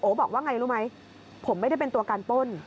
บอกว่าไงรู้ไหมผมไม่ได้เป็นตัวการป้น